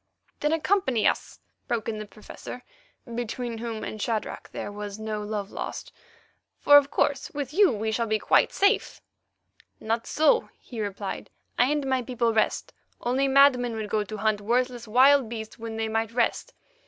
"Then accompany us," broke in the Professor, between whom and Shadrach there was no love lost, "for, of course, with you we should be quite safe." "Not so," he replied, "I and my people rest; only madmen would go to hunt worthless wild beasts when they might rest.